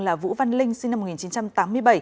là vũ văn linh sinh năm một nghìn chín trăm tám mươi bảy